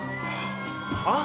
はっ？